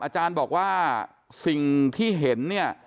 อาจารย์บอกว่าสิ่งที่เห็นเนี่ย